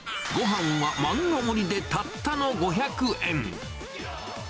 ごはんは漫画盛りでたったの５００円。